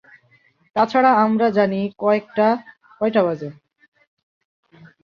তাছাড়া আমরা জানি কয়টা বাজে।